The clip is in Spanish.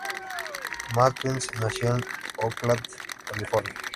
Matthews nació en Oakland, California.